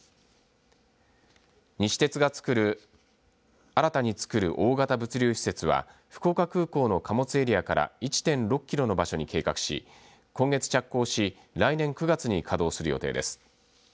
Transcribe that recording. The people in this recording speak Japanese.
西鉄が新たに造る大型物流施設は福岡空港の貨物エリアから１．６キロの場所に計画し今月着工し来年９月に稼働する予定です。